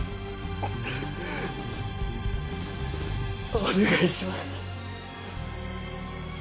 お願いします